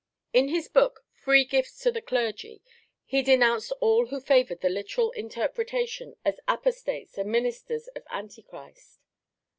In his book Free Gifts to the Clergy he denounced all who favoured the literal interpretation as apostates and ministers of Antichrist.